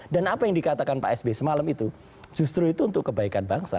dan apa yang dikatakan pak sby semalam itu justru itu untuk kebaikan bangsa